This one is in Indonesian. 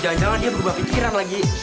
jalan jalan dia berubah pikiran lagi